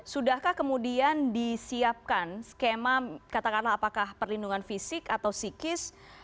sudahkah kemudian disiapkan skema katakanlah apakah perlindungan fisik atau psikis